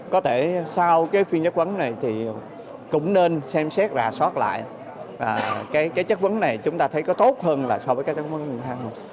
có thể sau cái phiên chất vấn này thì cũng nên xem xét ra soát lại cái chất vấn này chúng ta thấy có tốt hơn là so với cái chất vấn hình thang